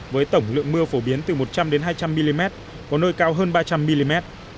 với tổng lượng mưa phổ biến từ một trăm linh hai trăm linh mm có nơi cao hơn ba trăm linh mm